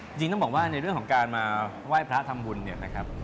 จริงต้องบอกว่าในเรื่องของการมาไหว้พระธรรมบุญ